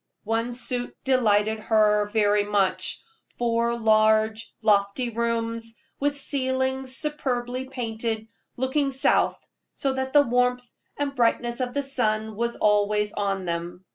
One suit delighted her very much four large, lofty rooms, with ceilings superbly painted, looking south, so that the warmth and brightness of the sun was always on them.